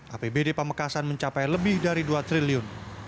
apbd pamekasan mencapai lebih dari dua triliun